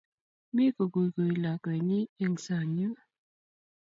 Mi ko kuikui lakwenyi eng sang' yun